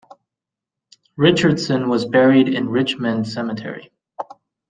Richardson was buried in Richmond Cemetery.